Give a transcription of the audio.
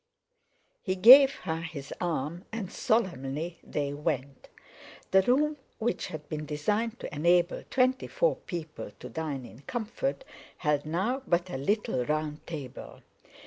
He gave her his arm, and solemnly they went. The room, which had been designed to enable twenty four people to dine in comfort, held now but a little round table.